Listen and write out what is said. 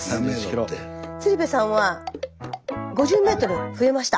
鶴瓶さんは５０ｍ増えました。